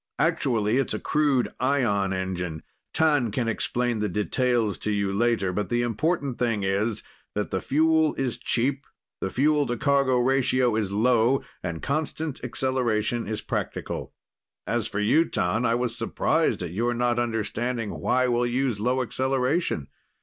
Actually, it's a crude ion engine. T'an can explain the details to you later, but the important thing is that the fuel is cheap, the fuel to cargo ratio is low and constant acceleration is practical. "As for you, Tan, I was surprised at your not understanding why we'll use low acceleration.